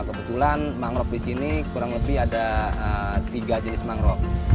kebetulan mangrove disini kurang lebih ada tiga jenis mangrove